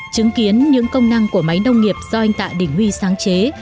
chứng kiến những công năng của máy nông nghiệp do anh tạ đình huy sáng chế